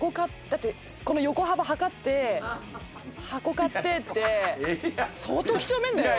だってこの横幅測って箱買ってって相当几帳面だよ。